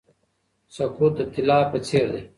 سکوت د طلا په څیر دی.